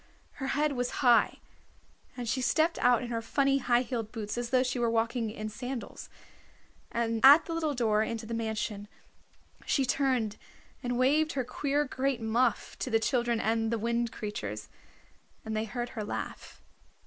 Her head was high, and she stepped out in her funny high heeled boots as though she were walking in sandals. At the little door into the mansion she turned and waved her queer great muff to the children and the Wind Creatures, and they heard her laugh.